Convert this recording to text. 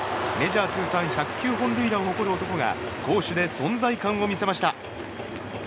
メジャー通算１０９本塁打を誇る男が攻守で存在感を見せました。